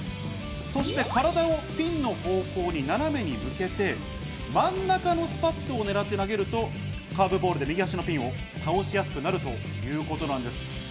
そして体をピンの方向に斜めに向けて、真ん中のスパットを狙って投げるとカーブボールが右端のピンを倒しやすくなるということなんです。